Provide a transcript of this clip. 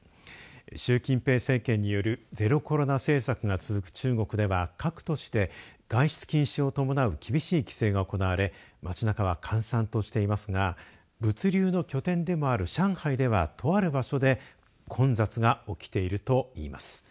習近平政権によるゼロコロナ政策が続く中国では各都市で外出禁止を伴う厳しい規制が行われ街なかは閑散としていますが物流の拠点でもある上海ではとある場所で混雑が起きているといいます。